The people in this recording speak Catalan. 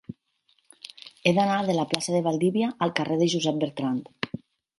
He d'anar de la plaça de Valdivia al carrer de Josep Bertrand.